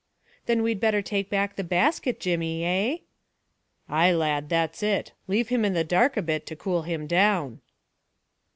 "Then we'd better take back the basket, Jemmy, eh?" "Ay, lad, that's it. Leave him in the dark a bit to cool him down."